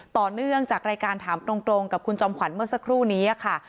ต่อเนื่องจากรายการถามตรงกับคุณจอมขวัญเมื่อสักครู่นี้ค่ะ